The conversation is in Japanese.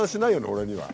俺には。